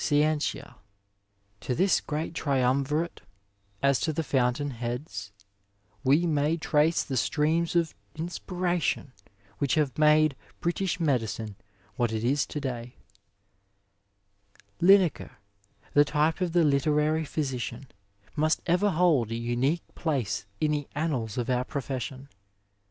To 173 Digitized by VjOOQIC BRITISH MEDICINE IN GREATER BRITAIN this great triumvirate, as to the fountain heads, we may trace the streams of inspiration which have made British medicine what it is to day. Linacre, the type of the literary physician, must ever hold a unique place in the annals of our profession.